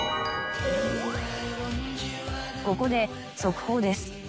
ここで速報です。